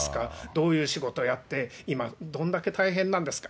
どういう仕事をやって、今、どんだけ大変なんですか？